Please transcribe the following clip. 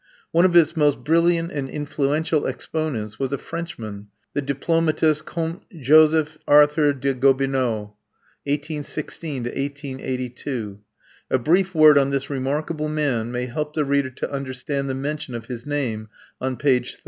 One of its most brilliant and influential exponents was a Frenchman, the diplomatist, Comte Joseph Arthur de Gobineau (1816 1882). A brief word on this remarkable man may help the reader to understand the mention of his name on page 30.